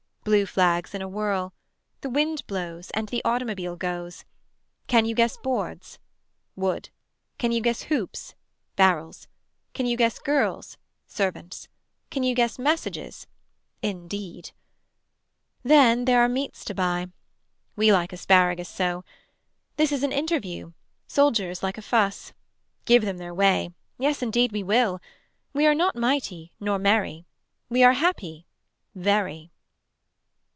Blue flags in a whirl. The wind blows And the automobile goes. Can you guess boards. Wood. Can you guess hoops. Barrels. Can you guess girls. Servants. Can you guess messages. In deed. Then there are meats to buy. We like asparagus so. This is an interview. Soldiers like a fuss. Give them their way. Yes indeed we will. We are not mighty Nor merry. We are happy. Very.